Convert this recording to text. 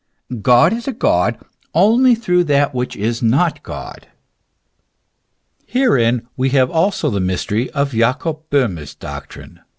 God is God, only through that which is not God. Herein we have also the mystery of Jacob Bonnie's doctrine.